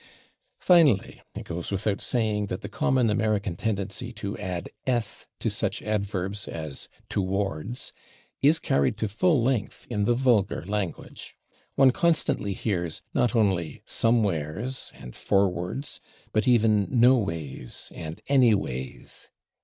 Finally, it goes without saying that the common American tendency to add / s/ to such adverbs as /towards/ is carried to full length in the vulgar language. One constantly hears, not only /somewheres/ and /forwards/, but even /noways/ and /anyways